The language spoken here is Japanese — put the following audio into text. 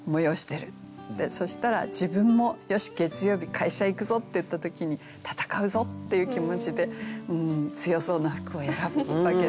そしたら自分も「よし月曜日会社行くぞ」っていった時に戦うぞっていう気持ちで強そうな服を選ぶわけですよね。